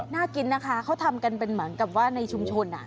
น่ากินนะคะเขาทำกันเป็นเหมือนกับว่าในชุมชน